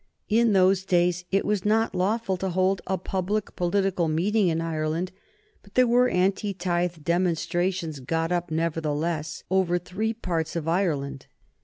In those days it was not lawful to hold a public political meeting in Ireland, but there were anti tithe demonstrations got up, nevertheless, over three parts of Ireland.